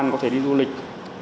có thể đi du lịch